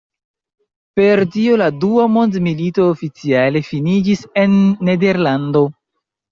Per tio la dua mondmilito oficiale finiĝis en Nederlando.